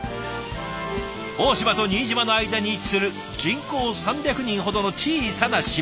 大島と新島の間に位置する人口３００人ほどの小さな島。